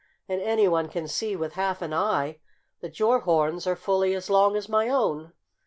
And anyone can see with half an eye that your horns are fully as long as my own."